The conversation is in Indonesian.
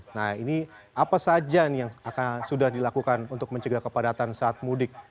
nah ini apa saja nih yang akan sudah dilakukan untuk mencegah kepadatan saat mudik